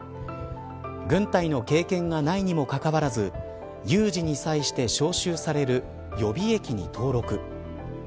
軍隊が経験がないにもかかわらず有事に際して召集される予備役に登録。